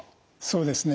そうですね